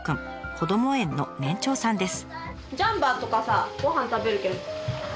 こども園の年長さんです。